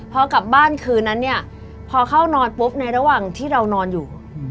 พอกลับบ้านคืนนั้นเนี่ยพอเข้านอนปุ๊บในระหว่างที่เรานอนอยู่